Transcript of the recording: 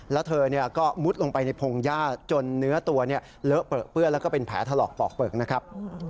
แล้วเธอก็มุดลงไปในพงหญ้าจนเนื้อตัวเลอะเปลือเปื้อนแล้วก็เป็นแผลถลอกปอกเปลือกนะครับ